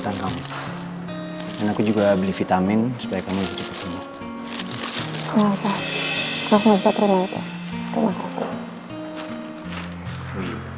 gak usah gak usah terima itu terima kasih